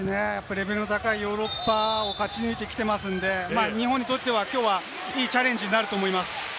レベルの高いヨーロッパを勝ち抜いてきていますので、日本にとっては、きょうはいいチャレンジになると思います。